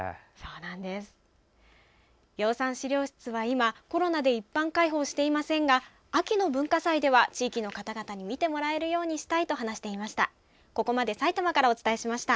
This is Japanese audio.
養蚕資料室は今コロナで一般開放していませんが秋の文化祭では、地域の方々に見てもらえるようにしたいと話していました。